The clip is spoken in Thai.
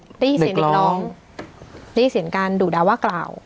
ได้ยินเสียงเด็กร้องได้ยินเสียงการดุดาว่ากล่าว